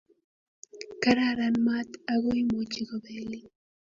Kararan maat aku imuchi kobelin